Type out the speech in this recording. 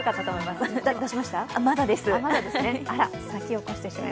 まだです。